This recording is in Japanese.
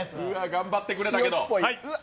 頑張ってくれたけど。